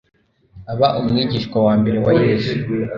aba umwigishwa wa mbere wa yesu